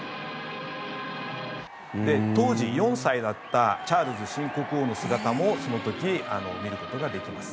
当時４歳だったチャールズ新国王の姿もその時、見ることができます。